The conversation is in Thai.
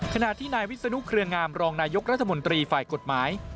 ขณะที่นายวิศนุเครืองามรองนายกรัฐมนตรีฝ่ายกฎหมาย